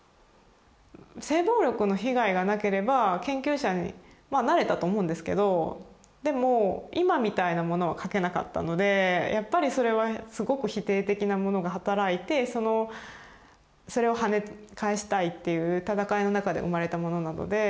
性暴力の被害がなければ研究者にまあなれたと思うんですけどでも今みたいなものは書けなかったのでやっぱりそれはすごく否定的なものが働いてそれをはね返したいっていう闘いの中で生まれたものなので。